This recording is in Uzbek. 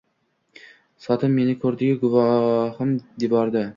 Sotim meni koʻrdiyu “guvohim” devordi.